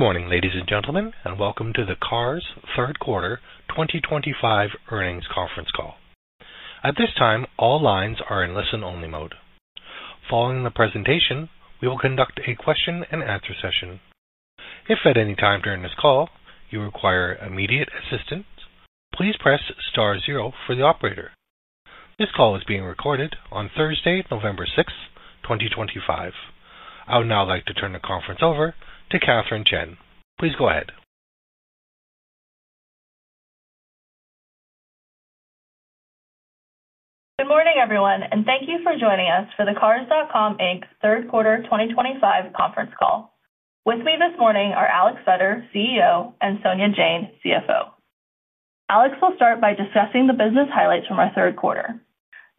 Good morning, ladies and gentlemen, and welcome to the Cars third quarter 2025 earnings conference call. At this time, all lines are in listen-only mode. Following the presentation, we will conduct a question-and-answer session. If at any time during this call you require immediate assistance, please press star zero for the operator. This call is being recorded on Thursday, November 6, 2025. I would now like to turn the conference over to Katherine Chen. Please go ahead. Good morning, everyone, and thank you for joining us for the Cars.com Inc third quarter 2025 conference call. With me this morning are Alex Vetter, CEO, and Sonia Jain, CFO. Alex will start by discussing the business highlights from our third quarter.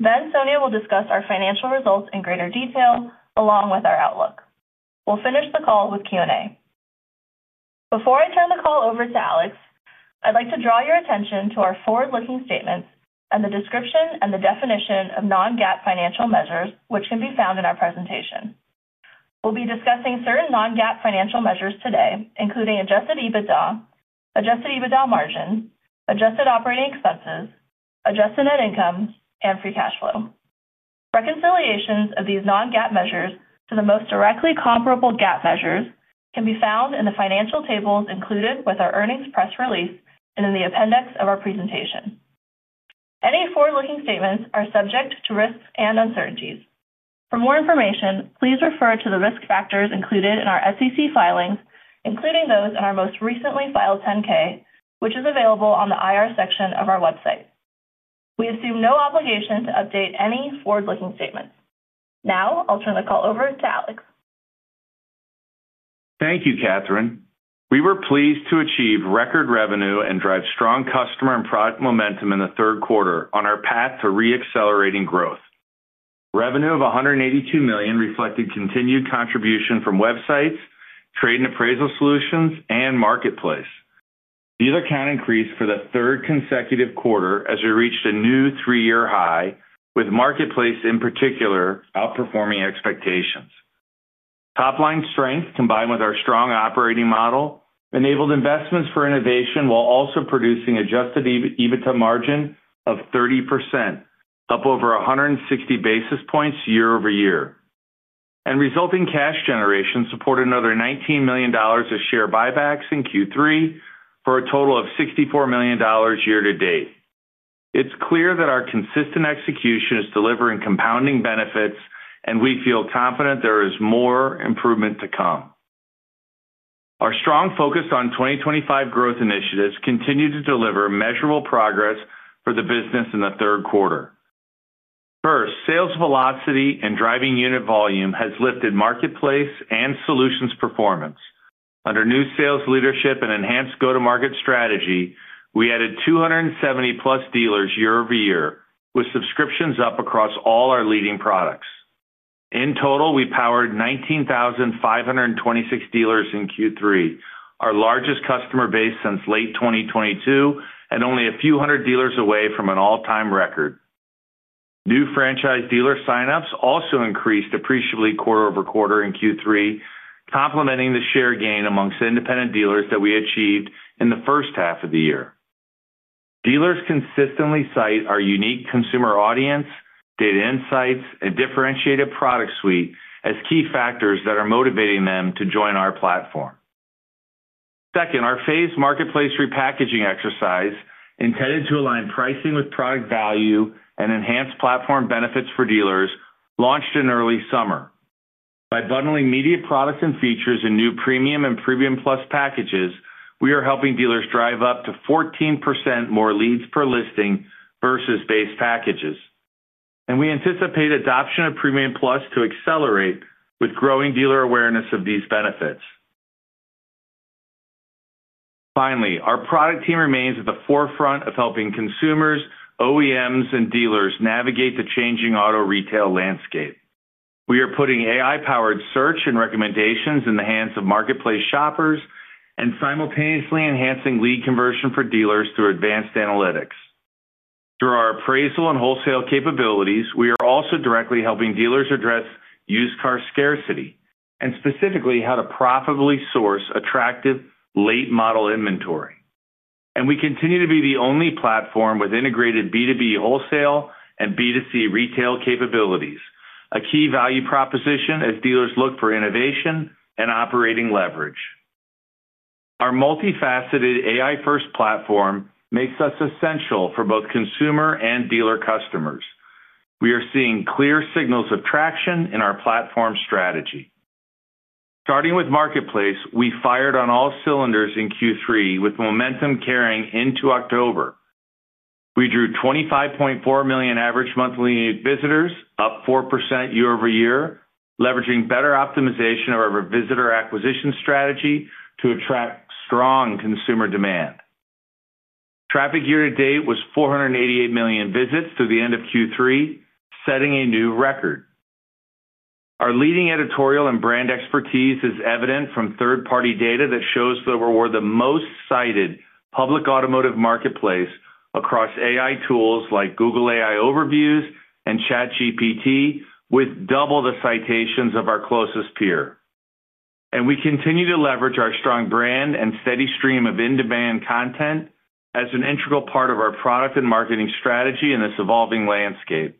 Sonia will discuss our financial results in greater detail, along with our outlook. We'll finish the call with Q&A. Before I turn the call over to Alex, I'd like to draw your attention to our forward-looking statements and the description and the definition of non-GAAP financial measures, which can be found in our presentation. We'll be discussing certain non-GAAP financial measures today, including adjusted EBITDA, adjusted EBITDA margin, adjusted operating expenses, adjusted net income, and free cash flow. Reconciliations of these non-GAAP measures to the most directly comparable GAAP measures can be found in the financial tables included with our earnings press release and in the appendix of our presentation. Any forward-looking statements are subject to risks and uncertainties. For more information, please refer to the risk factors included in our SEC filings, including those in our most recently filed 10-K, which is available on the IR section of our website. We assume no obligation to update any forward-looking statements. Now, I'll turn the call over to Alex. Thank you, Katherine. We were pleased to achieve record revenue and drive strong customer and product momentum in the third quarter on our path to re-accelerating growth. Revenue of $182 million reflected continued contribution from websites, trade and appraisal solutions, and Marketplace. These account increased for the third consecutive quarter as we reached a new three-year high, with Marketplace in particular outperforming expectations. Top-line strength, combined with our strong operating model, enabled investments for innovation while also producing adjusted EBITDA margin of 30%, up over 160 basis points year-over-year. Resulting cash generation supported another $19 million of share buybacks in Q3 for a total of $64 million year to date. It is clear that our consistent execution is delivering compounding benefits, and we feel confident there is more improvement to come. Our strong focus on 2025 growth initiatives continued to deliver measurable progress for the business in the third quarter. First, sales velocity and driving unit volume has lifted Marketplace and Solutions Performance. Under new sales leadership and enhanced go-to-market strategy, we added 270+ dealers year over year, with subscriptions up across all our leading products. In total, we powered 19,526 dealers in Q3, our largest customer base since late 2022, and only a few hundred dealers away from an all-time record. New franchise dealer signups also increased appreciably quarter-over-quarter in Q3, complementing the share gain amongst independent dealers that we achieved in the first half of the year. Dealers consistently cite our unique consumer audience, data insights, and differentiated product suite as key factors that are motivating them to join our platform. Second, our phased Marketplace repackaging exercise, intended to align pricing with product value and enhance platform benefits for dealers, launched in early summer. By bundling media products and features in new Premium and Premium Plus packages, we are helping dealers drive up to 14% more leads per listing versus base packages. We anticipate adoption of Premium Plus to accelerate with growing dealer awareness of these benefits. Finally, our product team remains at the forefront of helping consumers, OEMs, and dealers navigate the changing auto retail landscape. We are putting AI-powered search and recommendations in the hands of Marketplace shoppers and simultaneously enhancing lead conversion for dealers through advanced analytics. Through our appraisal and wholesale capabilities, we are also directly helping dealers address used car scarcity and specifically how to profitably source attractive late-model inventory. We continue to be the only platform with integrated B2B wholesale and B2C retail capabilities, a key value proposition as dealers look for innovation and operating leverage. Our multifaceted AI-first platform makes us essential for both consumer and dealer customers. We are seeing clear signals of traction in our platform strategy. Starting with Marketplace, we fired on all cylinders in Q3 with momentum carrying into October. We drew 25.4 million average monthly visitors, up 4% year-over- year, leveraging better optimization of our visitor acquisition strategy to attract strong consumer demand. Traffic year to date was 488 million visits through the end of Q3, setting a new record. Our leading editorial and brand expertise is evident from third-party data that shows that we are the most cited public automotive Marketplace across AI tools like Google AI Overviews and ChatGPT, with double the citations of our closest peer. We continue to leverage our strong brand and steady stream of in-demand content as an integral part of our product and marketing strategy in this evolving landscape.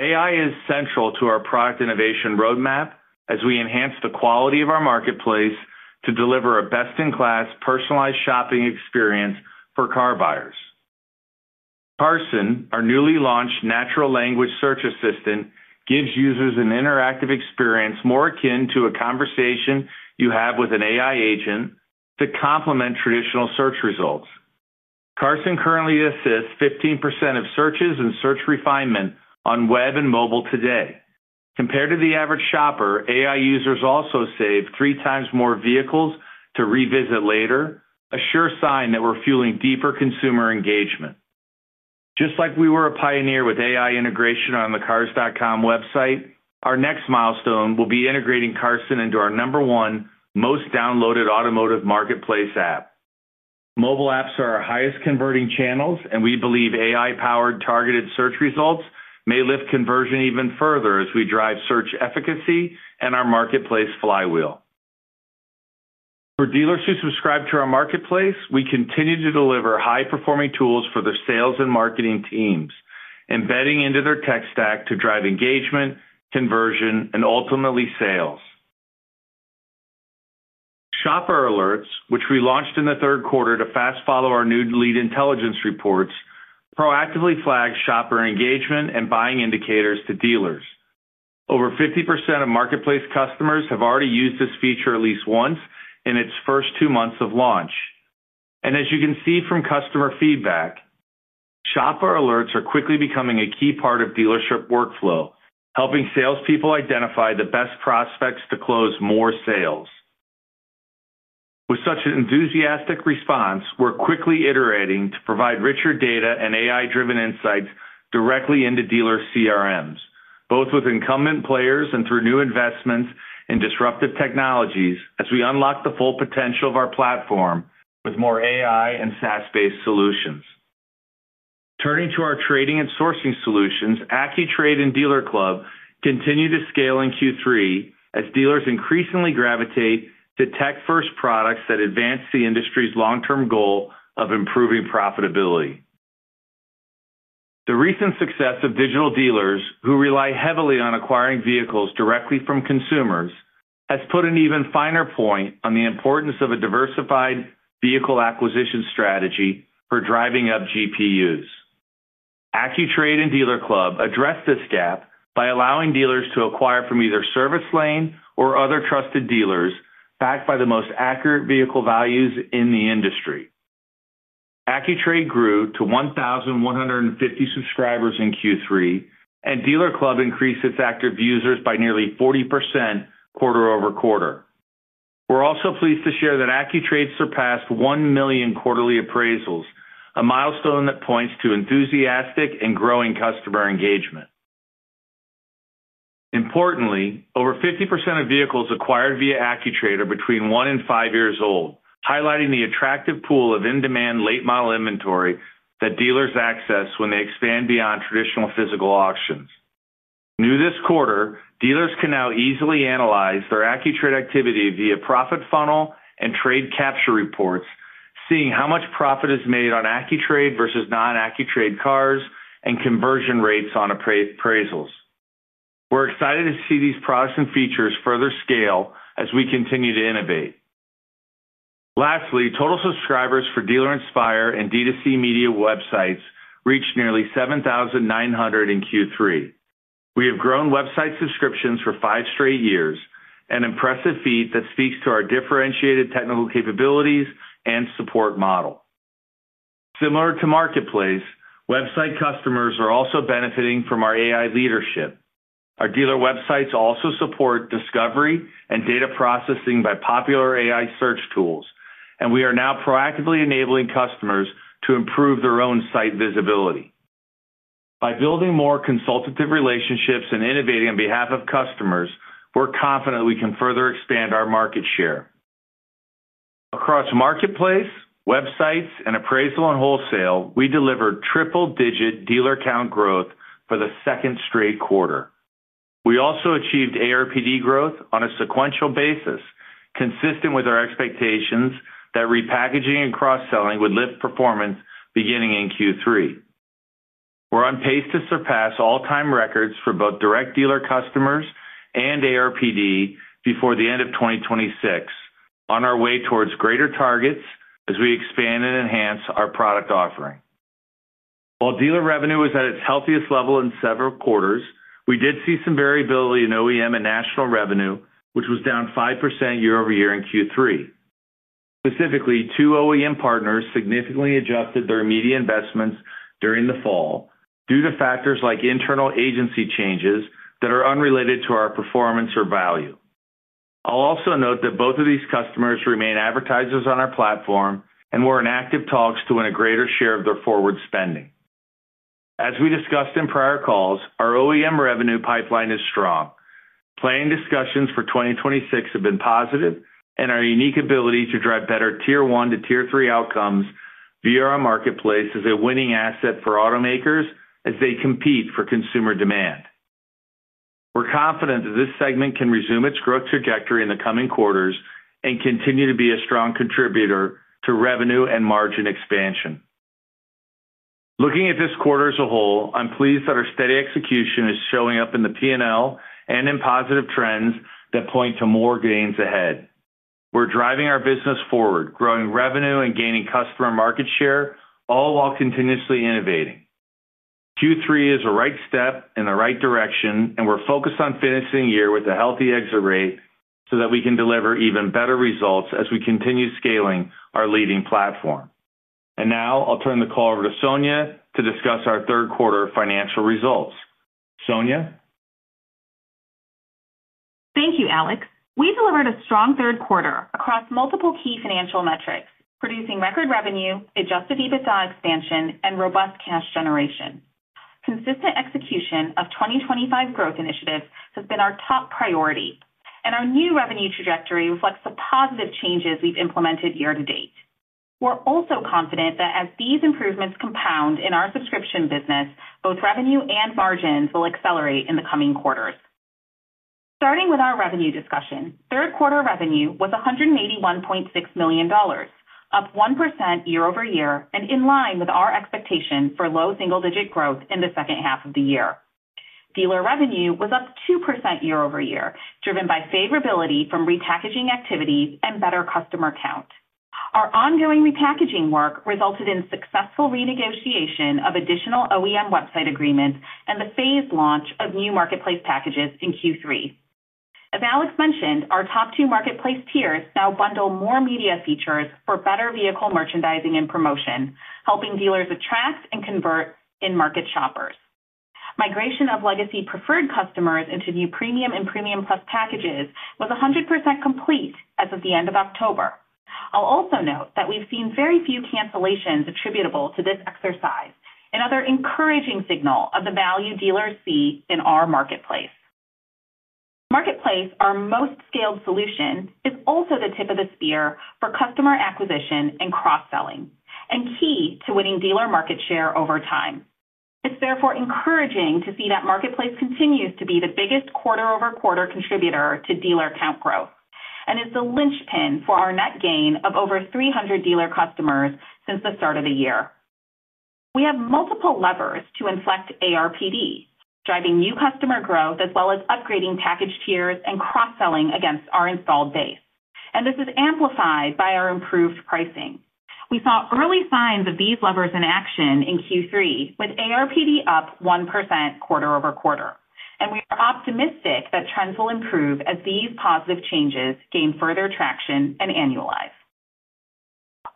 AI is central to our product innovation roadmap as we enhance the quality of our Marketplace to deliver a best-in-class personalized shopping experience for car buyers. Carson, our newly launched natural language search assistant, gives users an interactive experience more akin to a conversation you have with an AI agent to complement traditional search results. Carson currently assists 15% of searches and search refinement on web and mobile today. Compared to the average shopper, AI users also save three times more vehicles to revisit later, a sure sign that we're fueling deeper consumer engagement. Just like we were a pioneer with AI integration on the Cars.com website, our next milestone will be integrating Carson into our number one most downloaded automotive Marketplace app. Mobile apps are our highest converting channels, and we believe AI-powered targeted search results may lift conversion even further as we drive search efficacy and our Marketplace flywheel. For dealers who subscribe to our Marketplace, we continue to deliver high-performing tools for their sales and marketing teams, embedding into their tech stack to drive engagement, conversion, and ultimately sales. Shopper Alerts, which we launched in the third quarter to fast-follow our new Lead Intelligence Reports, proactively flag shopper engagement and buying indicators to dealers. Over 50% of Marketplace customers have already used this feature at least once in its first two months of launch. As you can see from customer feedback. Shopper Alerts are quickly becoming a key part of dealership workflow, helping salespeople identify the best prospects to close more sales. With such an enthusiastic response, we're quickly iterating to provide richer data and AI-driven insights directly into dealer CRMs, both with incumbent players and through new investments in disruptive technologies as we unlock the full potential of our platform with more AI and SaaS-based solutions. Turning to our trading and sourcing solutions, Accu-Trade and DealerClub continue to scale in Q3 as dealers increasingly gravitate to tech-first products that advance the industry's long-term goal of improving profitability. The recent success of digital dealers, who rely heavily on acquiring vehicles directly from consumers, has put an even finer point on the importance of a diversified vehicle acquisition strategy for driving up GPUs. Accu-Trade and DealerClub addressed this gap by allowing dealers to acquire from either Service Lane or other trusted dealers backed by the most accurate vehicle values in the industry. Accu-Trade grew to 1,150 subscribers in Q3, and DealerClub increased its active users by nearly 40% quarter-over-quarter. We're also pleased to share that Accu-Trade surpassed 1 million quarterly appraisals, a milestone that points to enthusiastic and growing customer engagement. Importantly, over 50% of vehicles acquired via Accu-Trade are between one and five years old, highlighting the attractive pool of in-demand late-model inventory that dealers access when they expand beyond traditional physical auctions. New this quarter, dealers can now easily analyze their Accu-Trade activity via profit funnel and trade capture reports, seeing how much profit is made on Accu-Trade versus non-Accu-Trade cars and conversion rates on appraisals. We're excited to see these products and features further scale as we continue to innovate. Lastly, total subscribers for Dealer Inspire and D2C Media websites reached nearly 7,900 in Q3. We have grown website subscriptions for five straight years, an impressive feat that speaks to our differentiated technical capabilities and support model. Similar to Marketplace, website customers are also benefiting from our AI leadership. Our dealer websites also support discovery and data processing by popular AI search tools, and we are now proactively enabling customers to improve their own site visibility. By building more consultative relationships and innovating on behalf of customers, we're confident we can further expand our market share. Across Marketplace, websites, and appraisal and wholesale, we delivered triple-digit dealer count growth for the second straight quarter. We also achieved ARPD growth on a sequential basis, consistent with our expectations that repackaging and cross-selling would lift performance beginning in Q3. We're on pace to surpass all-time records for both direct dealer customers and ARPD before the end of 2026, on our way towards greater targets as we expand and enhance our product offering. While dealer revenue was at its healthiest level in several quarters, we did see some variability in OEM and national revenue, which was down 5% year-over-year in Q3. Specifically, two OEM partners significantly adjusted their media investments during the fall due to factors like internal agency changes that are unrelated to our performance or value. I'll also note that both of these customers remain advertisers on our platform and were in active talks to win a greater share of their forward spending. As we discussed in prior calls, our OEM revenue pipeline is strong. Planning discussions for 2026 have been positive, and our unique ability to drive better tier-one to tier-three outcomes via our Marketplace is a winning asset for automakers as they compete for consumer demand. We're confident that this segment can resume its growth trajectory in the coming quarters and continue to be a strong contributor to revenue and margin expansion. Looking at this quarter as a whole, I'm pleased that our steady execution is showing up in the P&L and in positive trends that point to more gains ahead. We're driving our business forward, growing revenue and gaining customer market share, all while continuously innovating. Q3 is a right step in the right direction, and we're focused on finishing the year with a healthy exit rate so that we can deliver even better results as we continue scaling our leading platform. I'll turn the call over to Sonia to discuss our third-quarter financial results. Sonia? Thank you, Alex. We delivered a strong third quarter across multiple key financial metrics, producing record revenue, adjusted EBITDA expansion, and robust cash generation. Consistent execution of 2025 growth initiatives has been our top priority, and our new revenue trajectory reflects the positive changes we've implemented year-to-date. We're also confident that as these improvements compound in our subscription business, both revenue and margins will accelerate in the coming quarters. Starting with our revenue discussion, third-quarter revenue was $181.6 million, up 1% year-over-year and in line with our expectation for low single-digit growth in the second half of the year. Dealer revenue was up 2% year-over-year, driven by favorability from repackaging activity and better customer count. Our ongoing repackaging work resulted in successful renegotiation of additional OEM website agreements and the phased launch of new Marketplace packages in Q3. As Alex mentioned, our top two Marketplace tiers now bundle more media features for better vehicle merchandising and promotion, helping dealers attract and convert in-market shoppers. Migration of legacy preferred customers into new Premium and Premium Plus packages was 100% complete as of the end of October. I'll also note that we've seen very few cancellations attributable to this exercise, another encouraging signal of the value dealers see in our Marketplace. Marketplace, our most scaled solution, is also the tip of the spear for customer acquisition and cross-selling, and key to winning dealer market share over time. It is therefore encouraging to see that Marketplace continues to be the biggest quarter-over-quarter contributor to dealer count growth and is the linchpin for our net gain of over 300 dealer customers since the start of the year. We have multiple levers to inflect ARPD, driving new customer growth as well as upgrading package tiers and cross-selling against our installed base. This is amplified by our improved pricing. We saw early signs of these levers in action in Q3, with ARPD up 1% quarter-over-quarter. We are optimistic that trends will improve as these positive changes gain further traction and annualize.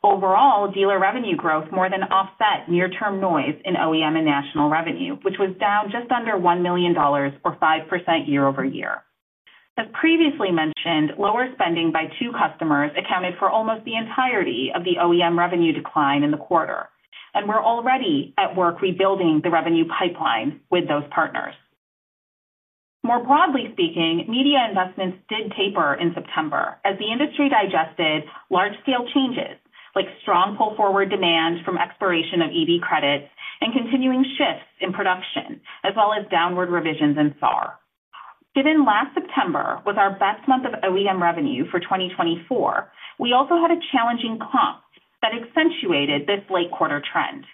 Overall, dealer revenue growth more than offset near-term noise in OEM and national revenue, which was down just under $1 million or 5% year-over-year. As previously mentioned, lower spending by two customers accounted for almost the entirety of the OEM revenue decline in the quarter, and we're already at work rebuilding the revenue pipeline with those partners. More broadly speaking, media investments did taper in September as the industry digested large-scale changes like strong pull-forward demand from expiration of EV credits and continuing shifts in production, as well as downward revisions in SAR. Given last September was our best month of OEM revenue for 2024, we also had a challenging comp that accentuated this late-quarter trend.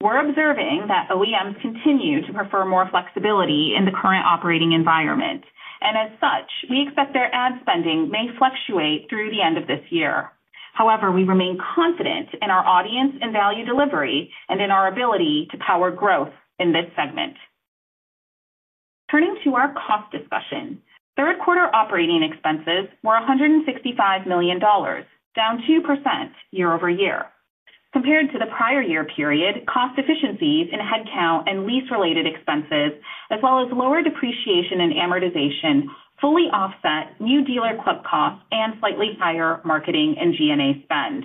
We're observing that OEMs continue to prefer more flexibility in the current operating environment, and as such, we expect their ad spending may fluctuate through the end of this year. However, we remain confident in our audience and value delivery and in our ability to power growth in this segment. Turning to our cost discussion, third-quarter operating expenses were $165 million, down 2% year-over-year. Compared to the prior year period, cost efficiencies in headcount and lease-related expenses, as well as lower depreciation and amortization, fully offset new DealerClub costs and slightly higher marketing and G&A spend.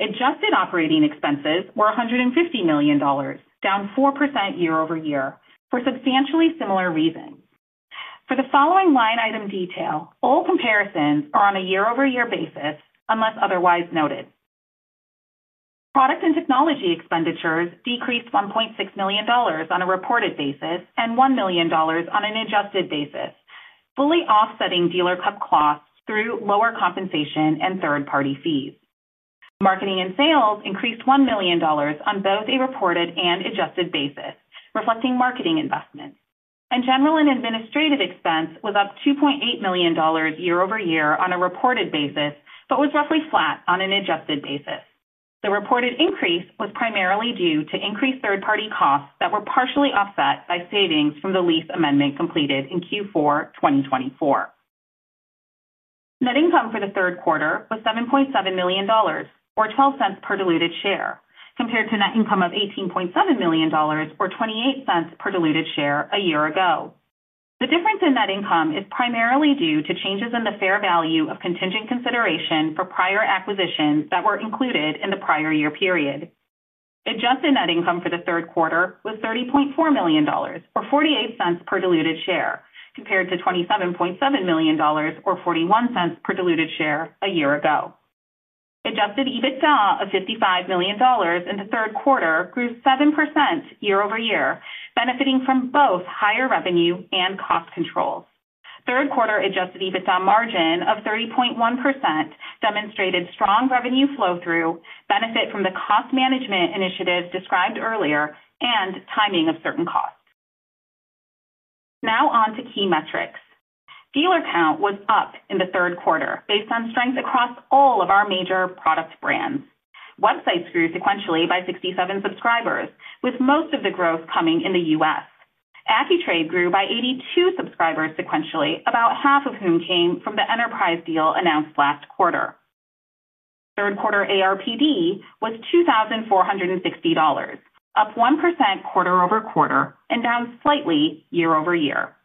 Adjusted operating expenses were $150 million, down 4% year-over-year, for substantially similar reasons. For the following line item detail, all comparisons are on a year-over-year basis unless otherwise noted. Product and technology expenditures decreased $1.6 million on a reported basis and $1 million on an adjusted basis, fully offsetting DealerClub costs through lower compensation and third-party fees. Marketing and sales increased $1 million on both a reported and adjusted basis, reflecting marketing investments. General and administrative expense was up $2.8 million year over year on a reported basis, but was roughly flat on an adjusted basis. The reported increase was primarily due to increased third-party costs that were partially offset by savings from the lease amendment completed in Q4 2024. Net income for the third quarter was $7.7 million, or $0.12 per diluted share, compared to net income of $18.7 million, or $0.28 per diluted share, a year ago. The difference in net income is primarily due to changes in the fair value of contingent consideration for prior acquisitions that were included in the prior year period. Adjusted net income for the third quarter was $30.4 million, or $0.48 per diluted share, compared to $27.7 million, or $0.41 per diluted share, a year ago. Adjusted EBITDA of $55 million in the third quarter grew 7% year-over-year, benefiting from both higher revenue and cost controls. Third-quarter adjusted EBITDA margin of 30.1% demonstrated strong revenue flow-through, benefit from the cost management initiatives described earlier, and timing of certain costs. Now on to key metrics. Dealer count was up in the third quarter based on strength across all of our major product brands. Websites grew sequentially by 67 subscribers, with most of the growth coming in the U.S. Accu-Trade grew by 82 subscribers sequentially, about half of whom came from the enterprise deal announced last quarter. Third-quarter ARPD was $2,460, up 1% quarter-over-quarter and down slightly year-over-year.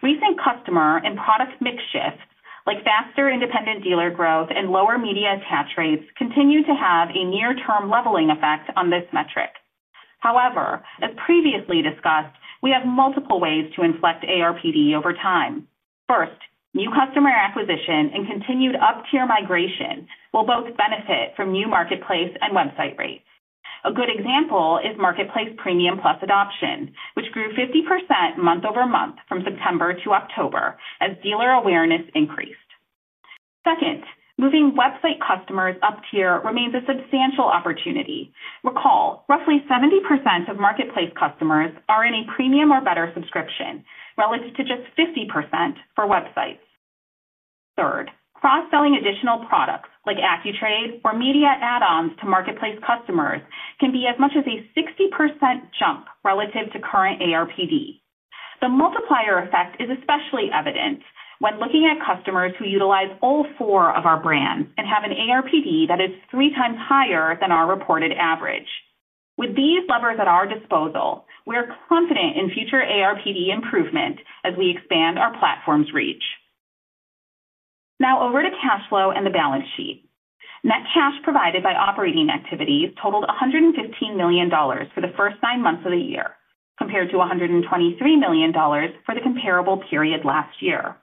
Recent customer and product mix shifts, like faster independent dealer growth and lower media attach rates, continue to have a near-term leveling effect on this metric. However, as previously discussed, we have multiple ways to inflect ARPD over time. First, new customer acquisition and continued up-tier migration will both benefit from new Marketplace and website rates. A good example is Marketplace Premium Plus adoption, which grew 50% month over month from September to October as dealer awareness increased. Second, moving website customers up-tier remains a substantial opportunity. Recall, roughly 70% of Marketplace customers are in a Premium or better subscription, relative to just 50% for websites. Third, cross-selling additional products like Accu-Trade or media add-ons to Marketplace customers can be as much as a 60% jump relative to current ARPD. The multiplier effect is especially evident when looking at customers who utilize all four of our brands and have an ARPD that is 3x higher than our reported average. With these levers at our disposal, we are confident in future ARPD improvement as we expand our platform's reach. Now over to cash flow and the balance sheet. Net cash provided by operating activities totaled $115 million for the first nine months of the year, compared to $123 million for the comparable period last year.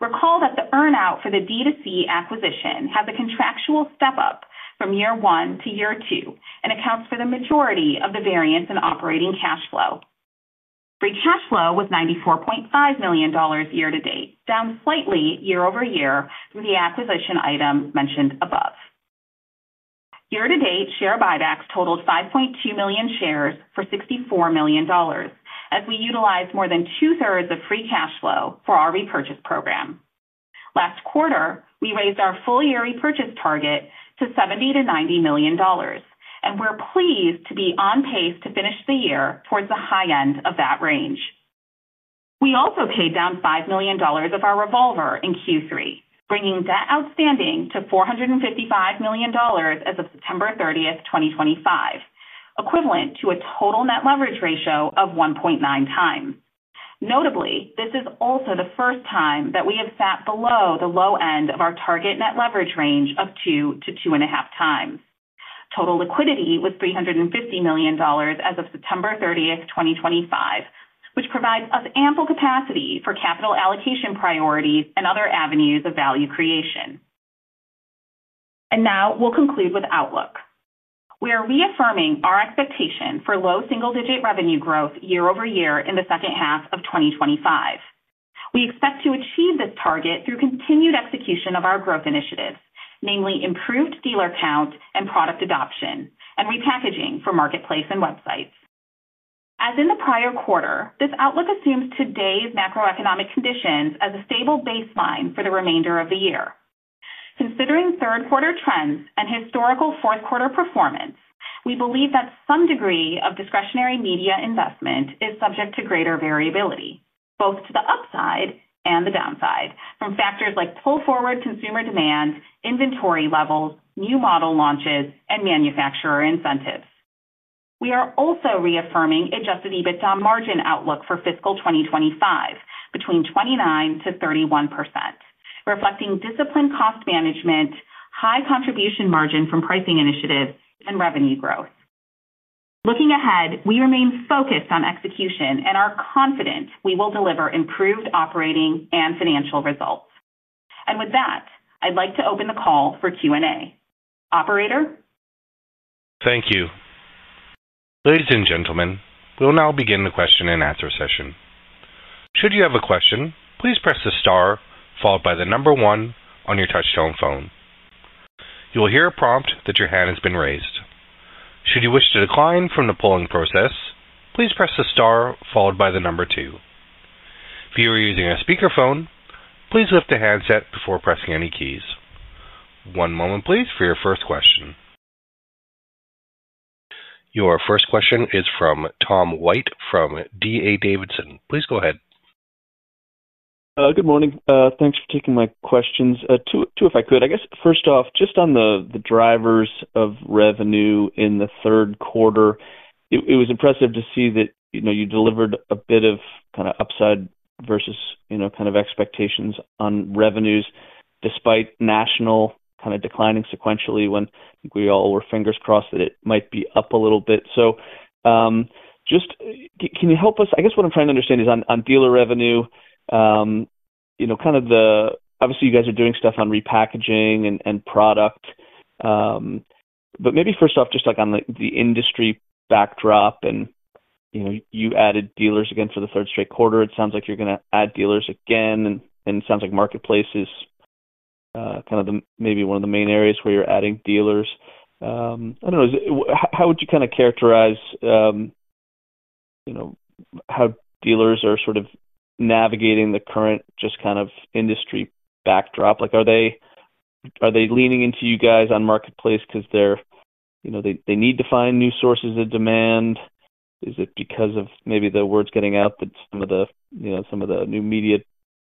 Recall that the earnout for the D2C acquisition has a contractual step-up from year one to year two and accounts for the majority of the variance in operating cash flow. Free cash flow was $94.5 million year-to-date, down slightly year-over-year from the acquisition item mentioned above. Year-to-date, share buybacks totaled 5.2 million shares for $64 million, as we utilized more than two-thirds of free cash flow for our repurchase program. Last quarter, we raised our full-year repurchase target to $70 million-$90 million, and we're pleased to be on pace to finish the year towards the high end of that range. We also paid down $5 million of our revolver in Q3, bringing debt outstanding to $455 million as of September 30, 2025, equivalent to a total net leverage ratio of 1.9x. Notably, this is also the first time that we have sat below the low end of our target net leverage range of 2x to 2.5x. Total liquidity was $350 million as of September 30, 2025, which provides us ample capacity for capital allocation priorities and other avenues of value creation. We will conclude with outlook. We are reaffirming our expectation for low single-digit revenue growth year-over-year in the second half of 2025. We expect to achieve this target through continued execution of our growth initiatives, namely improved dealer count and product adoption, and repackaging for Marketplace and websites. As in the prior quarter, this outlook assumes today's macroeconomic conditions as a stable baseline for the remainder of the year. Considering third-quarter trends and historical fourth-quarter performance, we believe that some degree of discretionary media investment is subject to greater variability, both to the upside and the downside, from factors like pull-forward consumer demand, inventory levels, new model launches, and manufacturer incentives. We are also reaffirming adjusted EBITDA margin outlook for fiscal 2025, between 29%-31%, reflecting disciplined cost management, high contribution margin from pricing initiatives, and revenue growth. Looking ahead, we remain focused on execution and are confident we will deliver improved operating and financial results. I'd like to open the call for Q&A. Operator? Thank you. Ladies and gentlemen, we'll now begin the question and answer session. Should you have a question, please press the star followed by the number one on your touch-tone phone. You will hear a prompt that your hand has been raised. Should you wish to decline from the polling process, please press the star followed by the number two. If you are using a speakerphone, please lift the handset before pressing any keys. One moment, please, for your first question. Your first question is from Tom White from D.A. Davidson. Please go ahead. Good morning. Thanks for taking my questions. Two, if I could. I guess, first off, just on the drivers of revenue in the third quarter, it was impressive to see that you delivered a bit of kind of upside versus kind of expectations on revenues, despite national kind of declining sequentially when I think we all were fingers crossed that it might be up a little bit. Just can you help us? I guess what I'm trying to understand is on dealer revenue. Kind of the obviously, you guys are doing stuff on repackaging and product. But maybe first off, just on the industry backdrop, and you added dealers again for the third straight quarter. It sounds like you're going to add dealers again, and it sounds like Marketplace is kind of maybe one of the main areas where you're adding dealers. I don't know. How would you kind of characterize. How dealers are sort of navigating the current just kind of industry backdrop? Are they leaning into you guys on Marketplace is there because they need to find new sources of demand? Is it because of maybe the word's getting out that some of the new media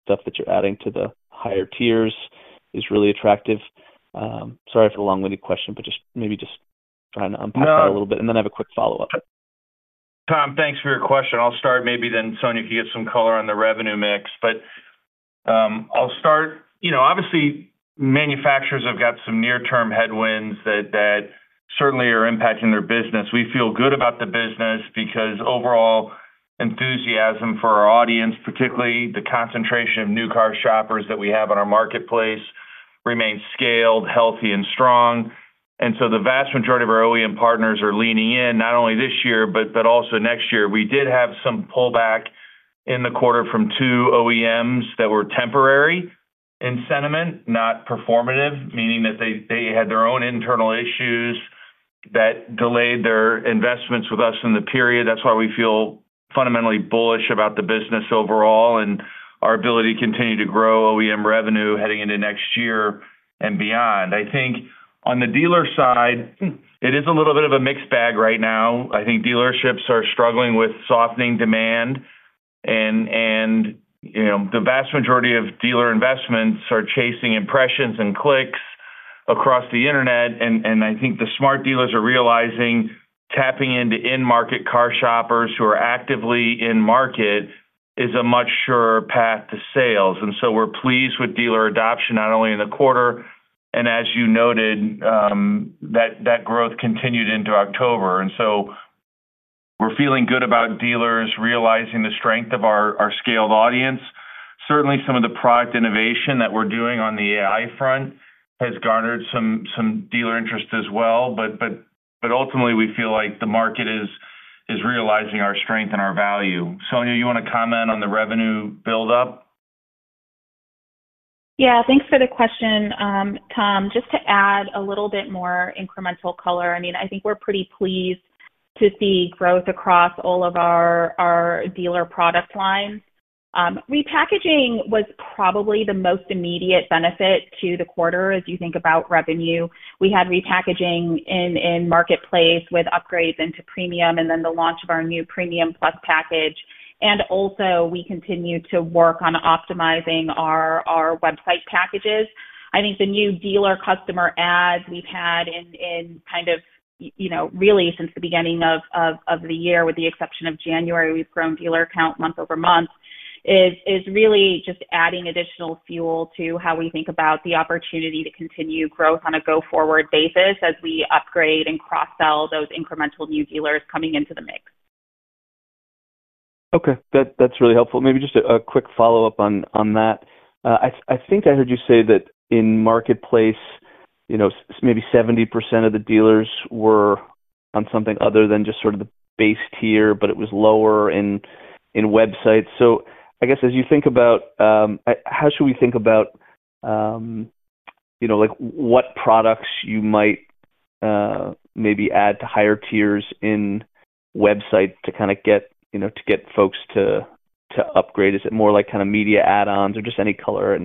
stuff that you're adding to the higher tiers is really attractive? Sorry for the long-winded question, but just maybe just trying to unpack that a little bit. I have a quick follow-up. Tom, thanks for your question. I'll start maybe then, so you can get some color on the revenue mix. I'll start. Obviously, manufacturers have got some near-term headwinds that certainly are impacting their business. We feel good about the business because overall enthusiasm for our audience, particularly the concentration of new car shoppers that we have on our Marketplace, remains scaled, healthy, and strong. The vast majority of our OEM partners are leaning in, not only this year but also next year. We did have some pullback in the quarter from two OEMs that were temporary in sentiment, not performative, meaning that they had their own internal issues that delayed their investments with us in the period. That is why we feel fundamentally bullish about the business overall and our ability to continue to grow OEM revenue heading into next year and beyond. I think on the dealer side, it is a little bit of a mixed bag right now. I think dealerships are struggling with softening demand. The vast majority of dealer investments are chasing impressions and clicks across the internet. I think the smart dealers are realizing tapping into in-market car shoppers who are actively in market is a much surer path to sales. We're pleased with dealer adoption, not only in the quarter, and as you noted, that growth continued into October. We're feeling good about dealers realizing the strength of our scaled audience. Certainly, some of the product innovation that we're doing on the AI front has garnered some dealer interest as well. Ultimately, we feel like the market is realizing our strength and our value. Sonia, you want to comment on the revenue buildup? Yeah. Thanks for the question, Tom. Just to add a little bit more incremental color, I mean, I think we're pretty pleased to see growth across all of our dealer product lines. Repackaging was probably the most immediate benefit to the quarter as you think about revenue. We had repackaging in Marketplace with upgrades into Premium and then the launch of our new Premium Plus package. Also, we continue to work on optimizing our website packages. I think the new dealer customer ads we've had, really since the beginning of the year, with the exception of January, we've grown dealer count month over month. It is really just adding additional fuel to how we think about the opportunity to continue growth on a go-forward basis as we upgrade and cross-sell those incremental new dealers coming into the mix. Okay. That's really helpful. Maybe just a quick follow-up on that. I think I heard you say that in Marketplace, maybe 70% of the dealers were on something other than just sort of the base tier, but it was lower in websites. So I guess as you think about, how should we think about what products you might maybe add to higher tiers in website to kind of get folks to upgrade? Is it more like kind of media add-ons or just any color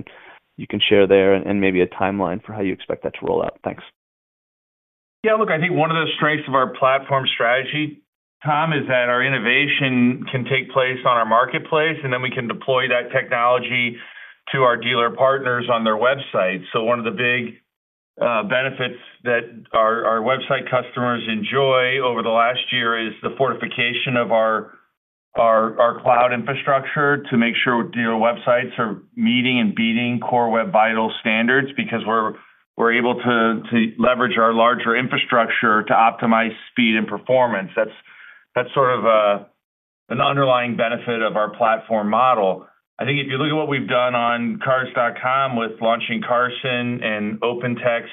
you can share there and maybe a timeline for how you expect that to roll out? Thanks. Yeah. Look, I think one of the strengths of our platform strategy, Tom, is that our innovation can take place on our Marketplace, and then we can deploy that technology to our dealer partners on their website. One of the big benefits that our website customers enjoy over the last year is the fortification of our cloud infrastructure to make sure dealer websites are meeting and beating Core Web Vitals standards because we're able to leverage our larger infrastructure to optimize speed and performance. That's sort of an underlying benefit of our platform model. I think if you look at what we've done on Cars.com with launching Carson and OpenText.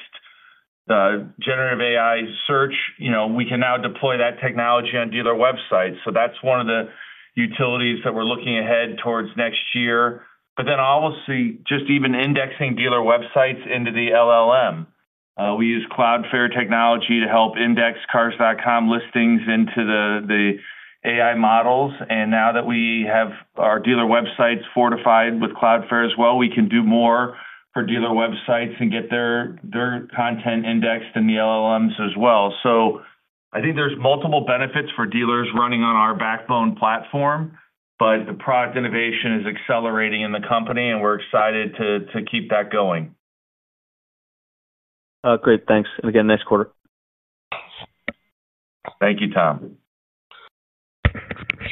Generative AI search, we can now deploy that technology on dealer websites. That is one of the utilities that we are looking ahead towards next year. Obviously, just even indexing dealer websites into the LLM. We use Cloudflare technology to help index Cars.com listings into the AI models. Now that we have our dealer websites fortified with Cloudflare as well, we can do more for dealer websites and get their content indexed in the LLMs as well. I think there are multiple benefits for dealers running on our backbone platform, but the product innovation is accelerating in the company, and we are excited to keep that going. Great. Thanks. Again, next quarter. Thank you, Tom.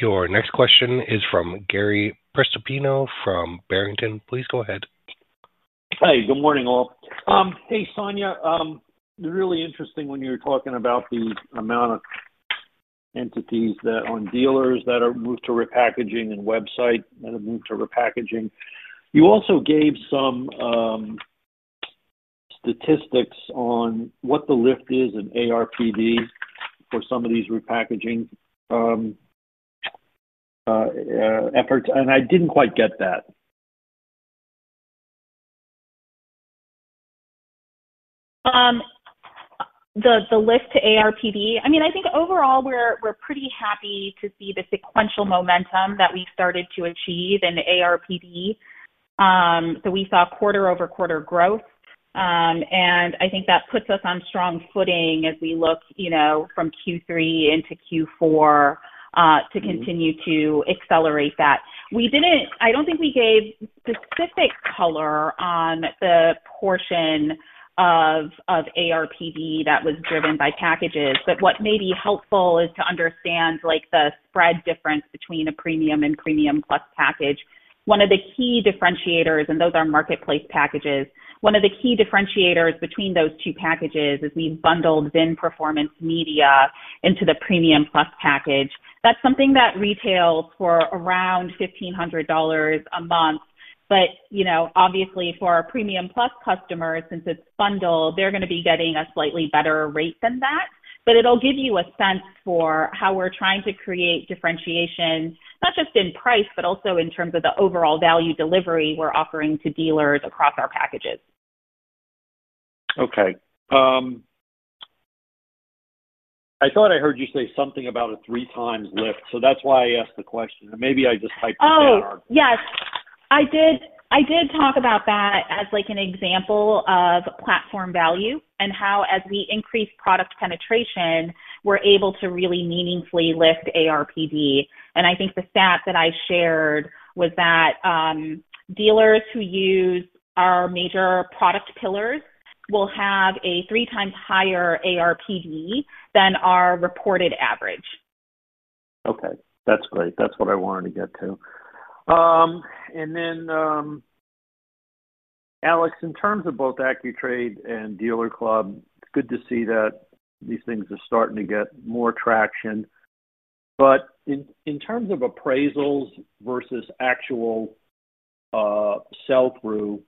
Your next question is from Gary Prestopino from Barrington. Please go ahead. Hi. Good morning, all. Hey, Sonia. Really interesting when you were talking about the amount of. Entities that on dealers that have moved to repackaging and website that have moved to repackaging. You also gave some statistics on what the lift is in ARPD for some of these repackaging efforts. I didn't quite get that. The lift to ARPD? I mean, I think overall, we're pretty happy to see the sequential momentum that we've started to achieve in ARPD. We saw quarter-over-quarter growth. I think that puts us on strong footing as we look from Q3 into Q4 to continue to accelerate that. I don't think we gave specific color on the portion of ARPD that was driven by packages. What may be helpful is to understand the spread difference between a Premium and Premium Plus package. One of the key differentiators, and those are Marketplace packages, one of the key differentiators between those two packages is we bundled VIN Performance Media into the Premium Plus package. That's something that retails for around $1,500 a month. Obviously, for our Premium Plus customers, since it's bundled, they're going to be getting a slightly better rate than that. It'll give you a sense for how we're trying to create differentiation, not just in price, but also in terms of the overall value delivery we're offering to dealers across our packages. Okay. I thought I heard you say something about a three-times lift. That's why I asked the question. Maybe I just typed it down. Oh, yes. I did talk about that as an example of platform value and how, as we increase product penetration, we're able to really meaningfully lift ARPD. I think the stat that I shared was that dealers who use our major product pillars will have a three-times higher ARPD than our reported average. Okay. That's great. That's what I wanted to get to. Alex, in terms of both Accu-Trade and DealerClub, it's good to see that these things are starting to get more traction. In terms of appraisals versus actual sell-through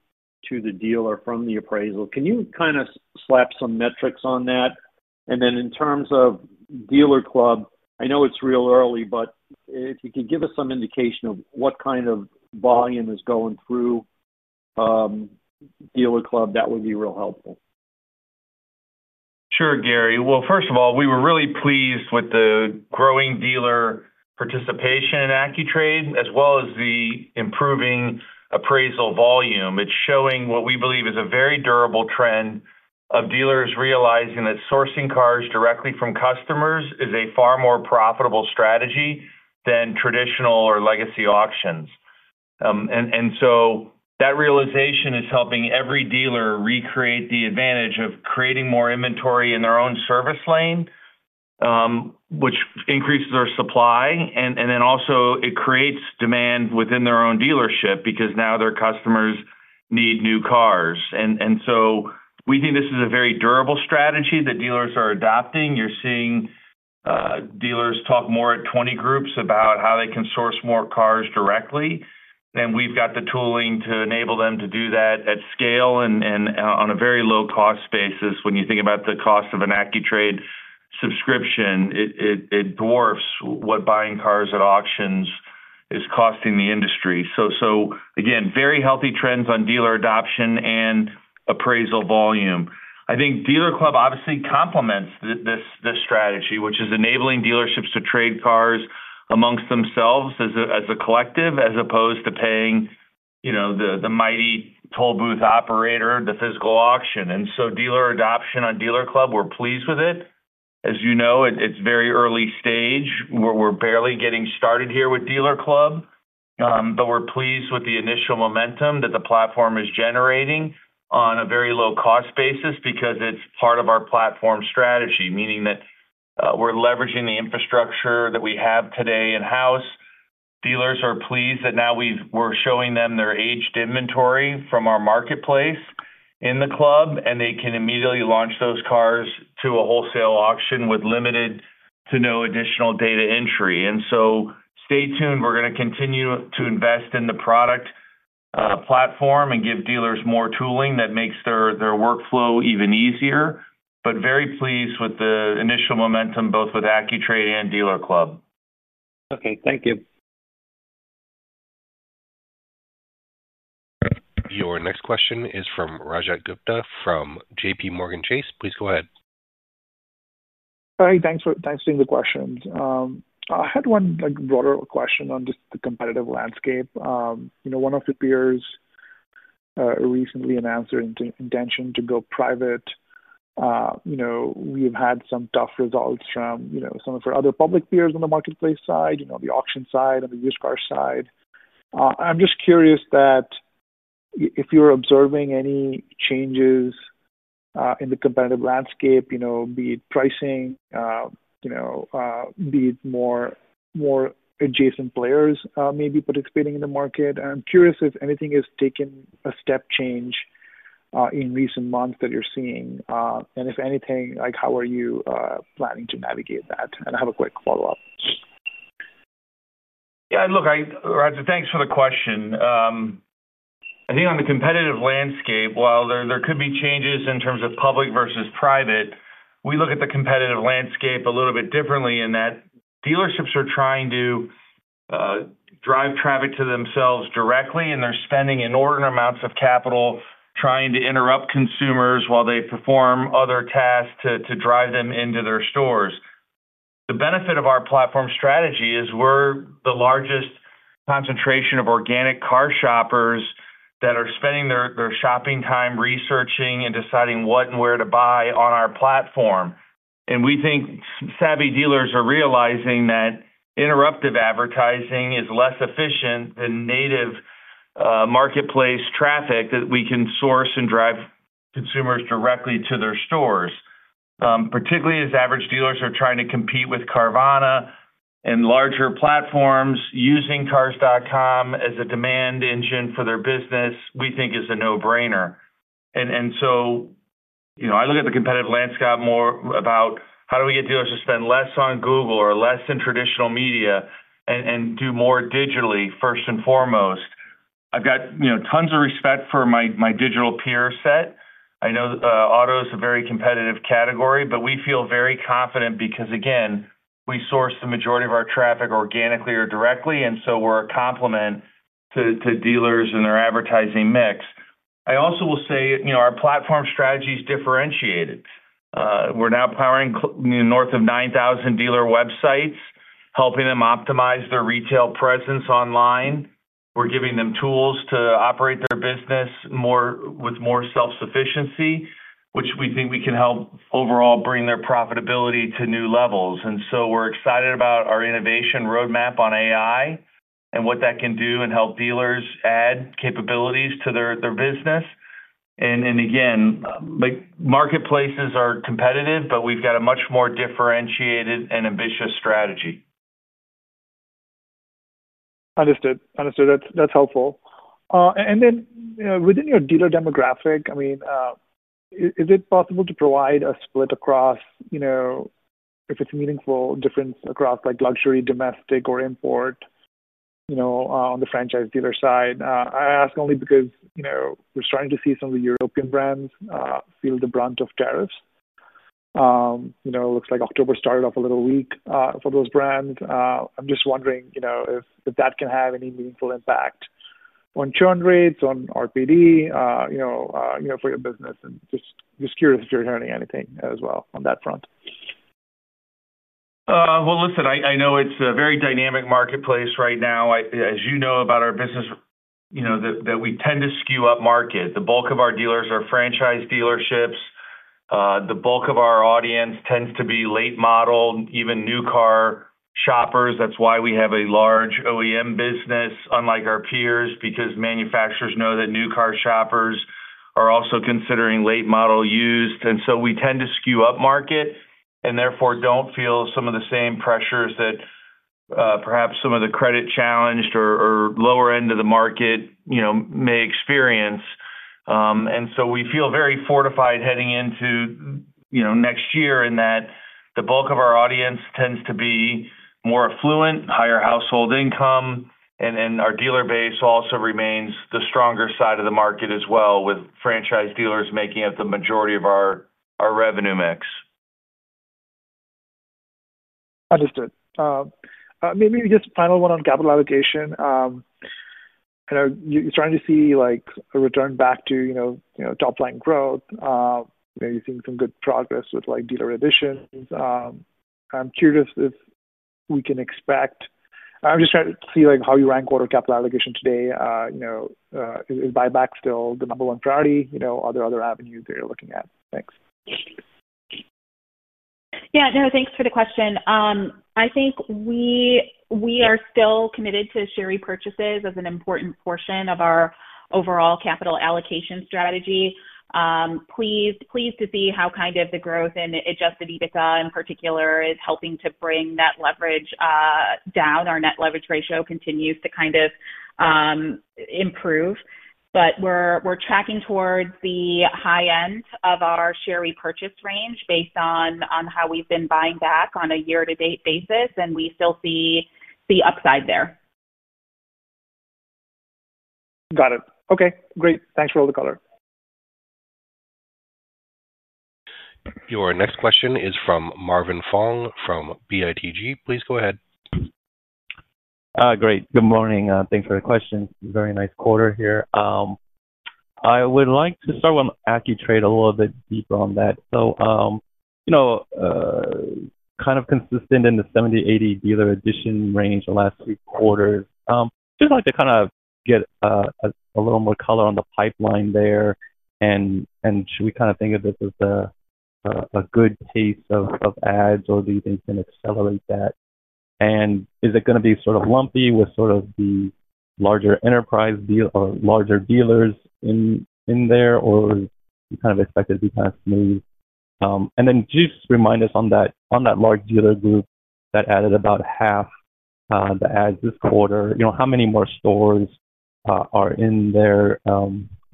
to the dealer from the appraisal, can you kind of slap some metrics on that? In terms of DealerClub, I know it's real early, but if you could give us some indication of what kind of volume is going through DealerClub, that would be real helpful. Sure, Gary. First of all, we were really pleased with the growing dealer participation in Accu-Trade, as well as the improving appraisal volume. It's showing what we believe is a very durable trend of dealers realizing that sourcing cars directly from customers is a far more profitable strategy than traditional or legacy auctions. That realization is helping every dealer recreate the advantage of creating more inventory in their own service lane, which increases their supply. It also creates demand within their own dealership because now their customers need new cars. We think this is a very durable strategy that dealers are adopting. You're seeing dealers talk more at 20 groups about how they can source more cars directly. We've got the tooling to enable them to do that at scale and on a very low-cost basis. When you think about the cost of an Accu-Trade subscription, it dwarfs what buying cars at auctions is costing the industry. Again, very healthy trends on dealer adoption and appraisal volume. I think DealerClub obviously complements this strategy, which is enabling dealerships to trade cars amongst themselves as a collective as opposed to paying the mighty toll booth operator, the physical auction. Dealer adoption on DealerClub, we're pleased with it. As you know, it's very early stage. We're barely getting started here with DealerClub. We're pleased with the initial momentum that the platform is generating on a very low-cost basis because it's part of our platform strategy, meaning that we're leveraging the infrastructure that we have today in-house. Dealers are pleased that now we're showing them their aged inventory from our Marketplace in the club, and they can immediately launch those cars to a wholesale auction with limited to no additional data entry. Stay tuned. We're going to continue to invest in the product platform and give dealers more tooling that makes their workflow even easier. Very pleased with the initial momentum, both with Accu-Trade and DealerClub. Thank you. Your next question is from Rajat Gupta from JPMorgan Chase. Please go ahead. Hi. Thanks for taking the questions. I had one broader question on just the competitive landscape. One of your peers recently announced their intention to go private. We have had some tough results from some of our other public peers on the Marketplace side, the auction side, and the used car side. I'm just curious if you're observing any changes in the competitive landscape, be it pricing, be it more adjacent players maybe participating in the market. I'm curious if anything has taken a step change in recent months that you're seeing. If anything, how are you planning to navigate that? I have a quick follow-up. Yeah. Look, Rajat, thanks for the question. I think on the competitive landscape, while there could be changes in terms of public versus private, we look at the competitive landscape a little bit differently in that dealerships are trying to drive traffic to themselves directly, and they're spending inordinate amounts of capital trying to interrupt consumers while they perform other tasks to drive them into their stores. The benefit of our platform strategy is we're the largest concentration of organic car shoppers that are spending their shopping time researching and deciding what and where to buy on our platform. We think savvy dealers are realizing that interruptive advertising is less efficient than native Marketplace traffic that we can source and drive consumers directly to their stores. Particularly as average dealers are trying to compete with Carvana and larger platforms, using Cars.com as a demand engine for their business, we think is a no-brainer. I look at the competitive landscape more about how do we get dealers to spend less on Google or less in traditional media. Do more digitally first and foremost. I've got tons of respect for my digital peer set. I know auto is a very competitive category, but we feel very confident because, again, we source the majority of our traffic organically or directly, and we are a complement to dealers in their advertising mix. I also will say our platform strategy is differentiated. We're now powering north of 9,000 dealer websites, helping them optimize their retail presence online. We're giving them tools to operate their business. With more self-sufficiency, which we think we can help overall bring their profitability to new levels. We are excited about our innovation roadmap on AI and what that can do and help dealers add capabilities to their business. Marketplaces are competitive, but we have a much more differentiated and ambitious strategy. Understood. Understood. That is helpful. Within your dealer demographic, I mean, is it possible to provide a split across, if it is meaningful, difference across luxury, domestic, or import on the franchise dealer side? I ask only because we are starting to see some of the European brands feel the brunt of tariffs. It looks like October started off a little weak for those brands. I am just wondering if that can have any meaningful impact on churn rates, on ARPD for your business. I am just curious if you are hearing anything as well on that front. I know it's a very dynamic Marketplace right now. As you know about our business, we tend to skew up market. The bulk of our dealers are franchise dealerships. The bulk of our audience tends to be late-model, even new car shoppers. That's why we have a large OEM business, unlike our peers, because manufacturers know that new car shoppers are also considering late-model used. We tend to skew up market and therefore do not feel some of the same pressures that perhaps some of the credit-challenged or lower-end of the market may experience. We feel very fortified heading into next year in that the bulk of our audience tends to be more affluent, higher household income, and our dealer base also remains the stronger side of the market as well, with franchise dealers making up the majority of our revenue mix. Understood. Maybe just final one on capital allocation. You're starting to see a return back to top-line growth. You're seeing some good progress with dealer additions. I'm curious if we can expect, I'm just trying to see how you rank order capital allocation today. Is buyback still the number one priority? Are there other avenues that you're looking at? Thanks. Yeah. No, thanks for the question. I think we are still committed to share repurchases as an important portion of our overall capital allocation strategy. Pleased to see how kind of the growth in Adjusted EBITDA in particular is helping to bring that leverage down. Our net leverage ratio continues to kind of improve. But we're tracking towards the high end of our share repurchase range based on how we've been buying back on a year-to-date basis, and we still see the upside there. Got it. Okay. Great. Thanks for all the color. Your next question is from Marvin Fong from BTIG. Please go ahead. Great. Good morning. Thanks for the question. Very nice quarter here. I would like to start with Accu-Trade a little bit deeper on that. Kind of consistent in the 70-80 dealer addition range the last three quarters. Just like to kind of get a little more color on the pipeline there. Should we kind of think of this as a good taste of ads, or do you think it can accelerate that? Is it going to be sort of lumpy with sort of the larger enterprise deal or larger dealers in there, or is it kind of expected to be kind of smooth? Then just remind us on that large dealer group that added about half the ads this quarter. How many more stores are in there.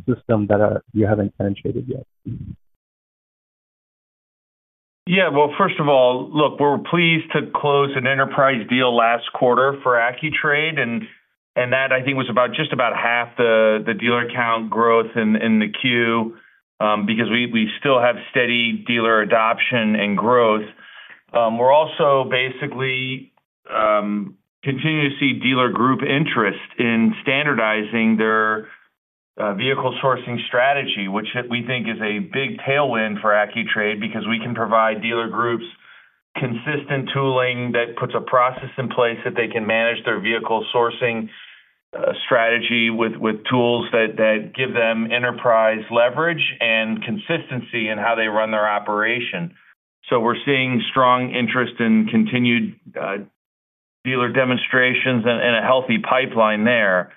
System that you haven't penetrated yet? Yeah. First of all, look, we're pleased to close an enterprise deal last quarter for Accu-Trade. That, I think, was just about half the dealer count growth in the quarter because we still have steady dealer adoption and growth. We're also basically continuing to see dealer group interest in standardizing their vehicle sourcing strategy, which we think is a big tailwind for Accu-Trade because we can provide dealer groups consistent tooling that puts a process in place that they can manage their vehicle sourcing strategy with tools that give them enterprise leverage and consistency in how they run their operation. We're seeing strong interest in continued dealer demonstrations and a healthy pipeline there.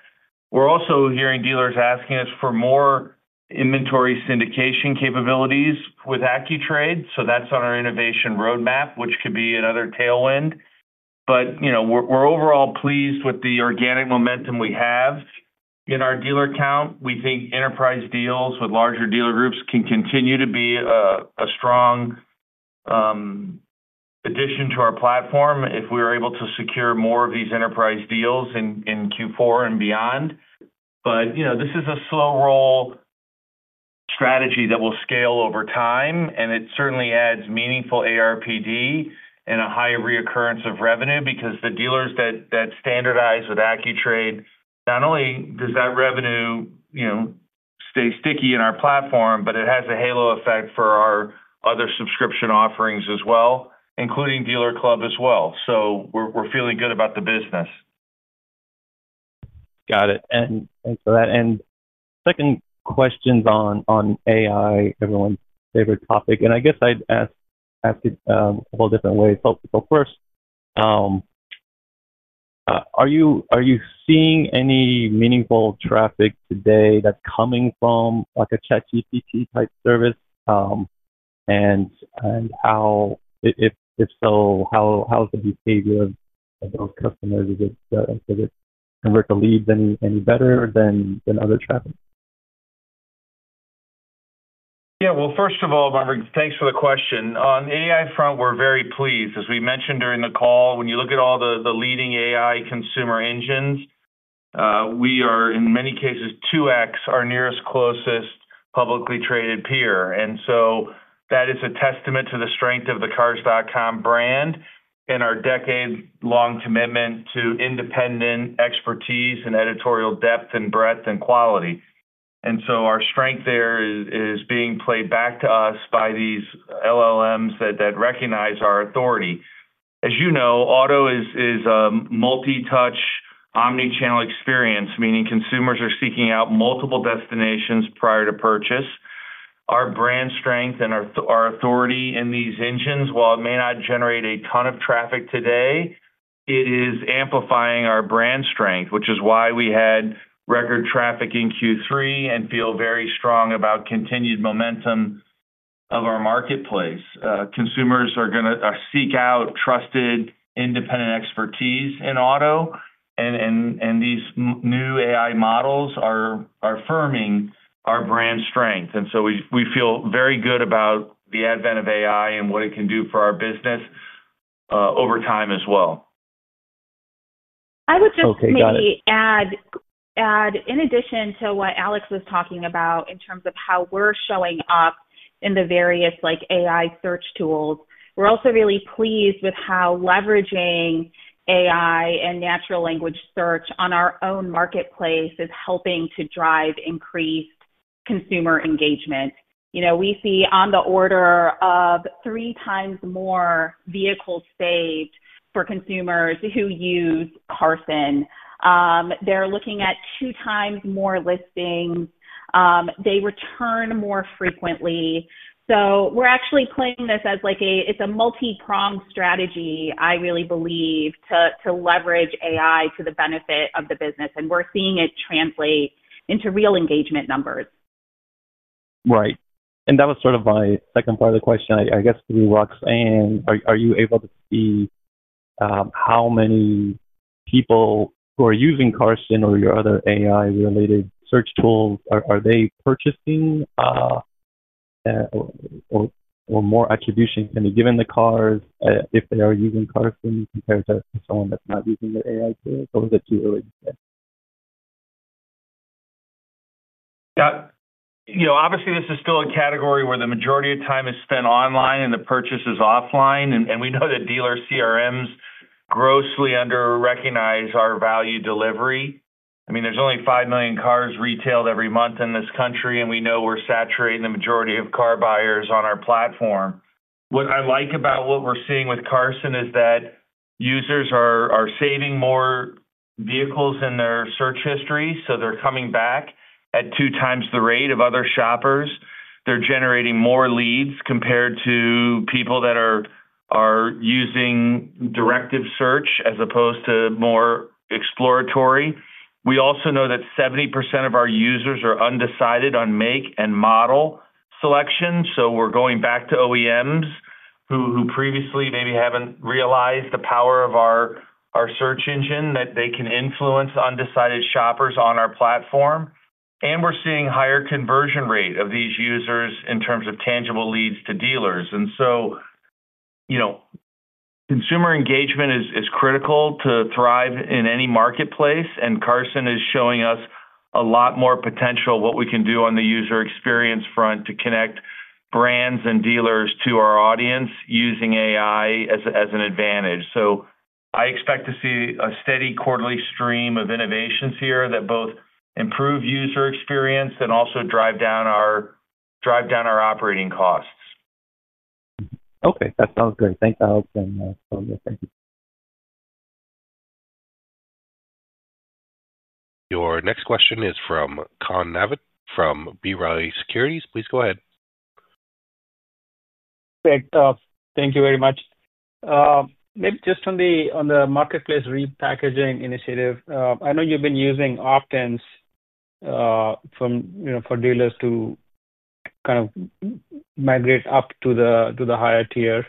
We're also hearing dealers asking us for more inventory syndication capabilities with Accu-Trade. That's on our innovation roadmap, which could be another tailwind. We're overall pleased with the organic momentum we have. In our dealer count, we think enterprise deals with larger dealer groups can continue to be a strong addition to our platform if we are able to secure more of these enterprise deals in Q4 and beyond. This is a slow-roll strategy that will scale over time, and it certainly adds meaningful ARPD and a high recurrence of revenue because the dealers that standardize with Accu-Trade, not only does that revenue stay sticky in our platform, but it has a halo effect for our other subscription offerings as well, including DealerClub as well. We're feeling good about the business. Got it. That ends second questions on AI, everyone's favorite topic. I guess I'd ask it a whole different way. First, are you seeing any meaningful traffic today that's coming from a ChatGPT-type service? If so, how is the behavior of those customers? Does it convert the leads any better than other traffic? Yeah. First of all, Marvin, thanks for the question. On the AI front, we're very pleased. As we mentioned during the call, when you look at all the leading AI consumer engines, we are, in many cases, 2x our nearest, closest publicly traded peer. That is a testament to the strength of the Cars.com brand and our decade-long commitment to independent expertise and editorial depth and breadth and quality. Our strength there is being played back to us by these LLMs that recognize our authority. As you know, auto is a multi-touch, omnichannel experience, meaning consumers are seeking out multiple destinations prior to purchase. Our brand strength and our authority in these engines, while it may not generate a ton of traffic today, it is amplifying our brand strength, which is why we had record traffic in Q3 and feel very strong about continued momentum of our Marketplace. Consumers are going to seek out trusted, independent expertise in auto, and these new AI models are affirming our brand strength. We feel very good about the advent of AI and what it can do for our business over time as well. I would just maybe add, in addition to what Alex was talking about in terms of how we're showing up in the various AI search tools, we're also really pleased with how leveraging AI and natural language search on our own Marketplace is helping to drive increased consumer engagement. We see on the order of three times more vehicles saved for consumers who use Carson. They're looking at two times more listings. They return more frequently. We're actually playing this as a multi-pronged strategy, I really believe, to leverage AI to the benefit of the business. We're seeing it translate into real engagement numbers. Right. That was sort of my second part of the question. I guess to be rocks, are you able to see how many people who are using Carson or your other AI-related search tools, are they purchasing? Or more attribution can be given to cars if they are using Carson compared to someone that's not using the AI tools? Or is it too early to say? Obviously, this is still a category where the majority of time is spent online and the purchase is offline. We know that dealer CRMs grossly under-recognize our value delivery. I mean, there's only 5 million cars retailed every month in this country, and we know we're saturating the majority of car buyers on our platform. What I like about what we're seeing with Carson is that users are saving more vehicles in their search history, so they're coming back at two times the rate of other shoppers. They're generating more leads compared to people that are using directive search as opposed to more exploratory. We also know that 70% of our users are undecided on make and model selection. We are going back to OEMs who previously maybe have not realized the power of our search engine, that they can influence undecided shoppers on our platform. We are seeing a higher conversion rate of these users in terms of tangible leads to dealers. Consumer engagement is critical to thrive in any Marketplace, and Carson is showing us a lot more potential of what we can do on the user experience front to connect brands and dealers to our audience using AI as an advantage. I expect to see a steady quarterly stream of innovations here that both improve user experience and also drive down our operating costs. Okay. That sounds great. Thanks, Alex. Thank you. Your next question is from Khan Naved from B. Riley Securities. Please go ahead. Perfect. Thank you very much. Maybe just on the Marketplace repackaging initiative, I know you've been using opt-ins for dealers to kind of migrate up to the higher tier.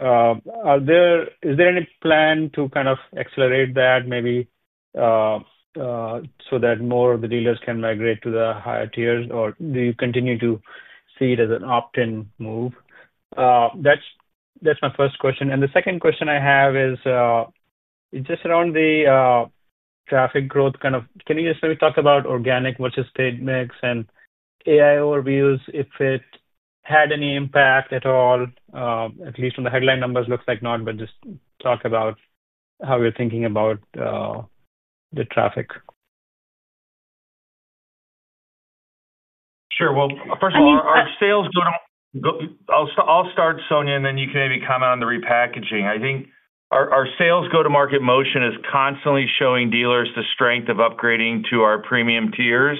Is there any plan to kind of accelerate that, maybe so that more of the dealers can migrate to the higher tiers, or do you continue to see it as an opt-in move? That's my first question. The second question I have is just around the traffic growth kind of, can you just maybe talk about organic versus paid mix and AI Overviews, if it had any impact at all? At least on the headline numbers, it looks like not, but just talk about how you're thinking about the traffic. Sure. First of all, our sales go to—I’ll start, Sonia, and then you can maybe comment on the repackaging. I think our sales go-to-market motion is constantly showing dealers the strength of upgrading to our premium tiers.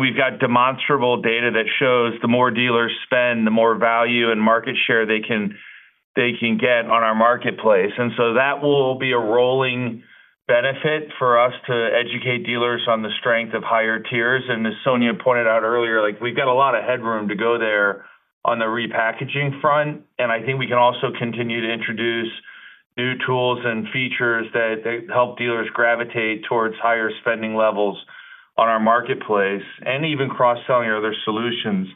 We've got demonstrable data that shows the more dealers spend, the more value and market share they can get on our Marketplace. That will be a rolling benefit for us to educate dealers on the strength of higher tiers. As Sonia pointed out earlier, we have a lot of headroom to go there on the repackaging front. I think we can also continue to introduce new tools and features that help dealers gravitate towards higher spending levels on our Marketplace and even cross-selling other solutions.